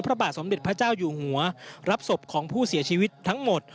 พระบาทสมเด็จพระเจ้าอยู่หัวรับศพของผู้เสียชีวิตทั้งหมด